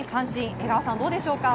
江川さん、どうでしょうか。